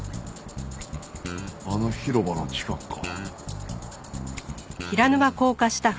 あの広場の近くか。